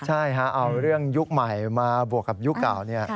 ใช่เอาเรื่องยุคใหม่มาบวกกับยุคเก่าเนี่ย